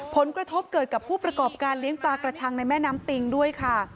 ผลกระทบเกิดกับผู้ประกอบการเลี้ยงปลากระชังในแม่น้ำปิงด้วยค่ะ